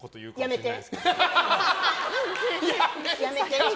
やめて！